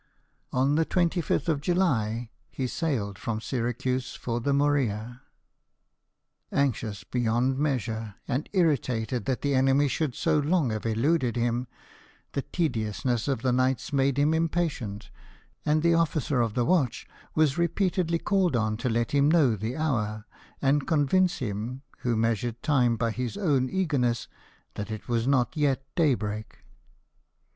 On the 25th of July he sailed from Syracuse for the Morea. Anxious beyond measure, and irritated that the enemy should so long have eluded him, the tediousness of the nights made him impatient ; and the officer of the watch was repeatedly called on to let him know the hour, and convince him, who measured time by his own eagerness, that it was not yet daybreak.